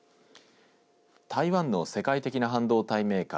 台湾の世界的な半導体メーカー